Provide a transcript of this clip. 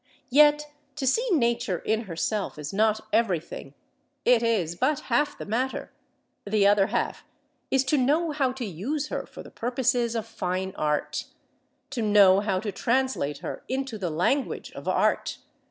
Yet to see Nature in herself is not everything, it is but half the matter; the other half is to know how to use her for the purposes of fine art, to know how to translate her into the language of art.